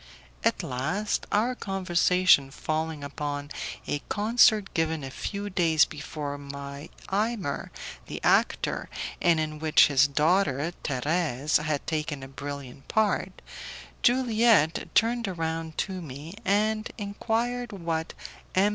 At last, our conversation falling upon a concert given a few days before by Imer, the actor, and in which his daughter, Thérèse, had taken a brilliant part, Juliette turned round to me and inquired what M.